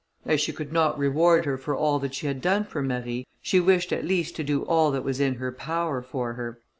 As she could not reward her for all that she had done for Marie, she wished at least to do all that was in her power for her.